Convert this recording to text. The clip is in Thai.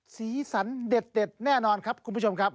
สีสันเด็ดแน่นอนครับคุณผู้ชมครับ